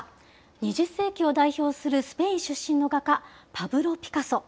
２０世紀を代表するスペイン出身の画家、パブロ・ピカソ。